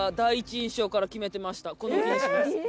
この木にします。